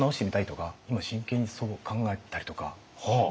今真剣にそう考えたりとか。